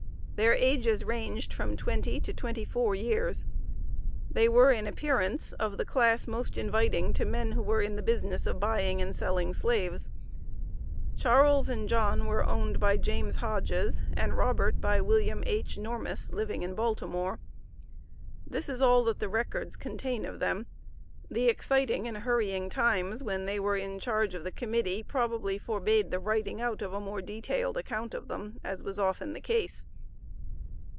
Their ages ranged from twenty to twenty four years. They were in appearance of the class most inviting to men who were in the business of buying and selling slaves. Charles and John were owned by James Hodges, and Robert by Wm. H. Normis, living in Baltimore. This is all that the records contain of them. The exciting and hurrying times when they were in charge of the Committee probably forbade the writing out of a more detailed account of them, as was often the case.